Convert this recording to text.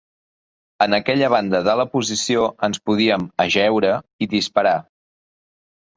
En aquella banda de la posició ens podíem ajeure i disparar.